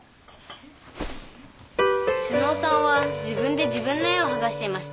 妹尾さんは自分で自分の絵をはがしていました。